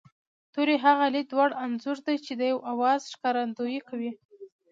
توری هغه لید وړ انځور دی چې د یوه آواز ښکارندويي کوي